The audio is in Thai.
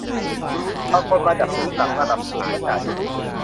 บางคนมาจากพื้นหลังระดับสูงและจ่ายสูง